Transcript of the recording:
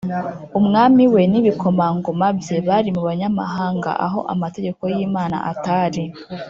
Umwami we n’ibikomangoma bye bari mu banyamahanga, Aho amategeko y’Imana atari.